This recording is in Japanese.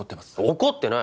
怒ってない